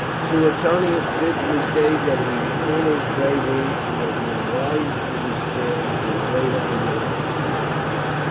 "Suetonius bids me say that he honours bravery, and that your lives will be spared if you lay down your arms."